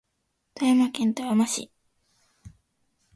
富山県富山市